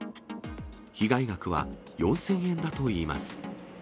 被害額は４０００円だといいます。